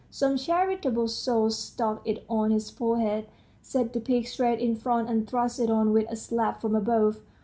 Some charitable soul stuck it on his forehead, set the peak straight in front, and thrust it on with a slap from above.